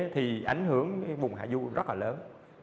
thì ảnh hưởng vùng hạ du rất là lớn